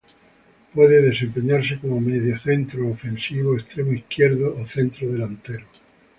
Puede desempeñarse como mediocentro ofensivo, extremo izquierdo o centrodelantero.